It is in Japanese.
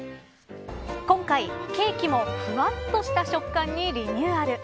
今回ケーキもふわっとした食感にリニューアル。